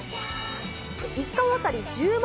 １巻当たり１０万